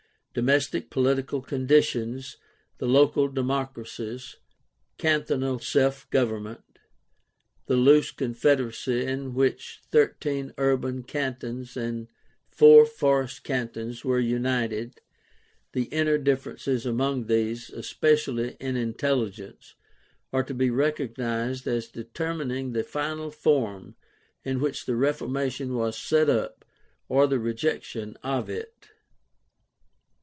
Domestic political conditions, the local democracies (cantonal self government), the loose con federacy in which thirteen urban cantons and four "forest" cantons were united, the inner differences among these, espe cially in intelligence, are to be recognized as determining the final form in which the Reformation was set up or the rejection of it.